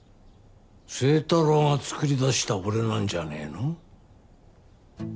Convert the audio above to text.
星太郎が作り出した俺なんじゃねえの？